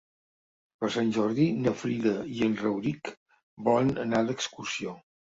Per Sant Jordi na Frida i en Rauric volen anar d'excursió.